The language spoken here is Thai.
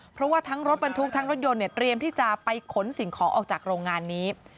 เพราะว่าทั้งรถบรรทุกทั้งรถยนต์เนี่ยเตรียมที่จะไปขนสิ่งของออกจากโรงงานนี้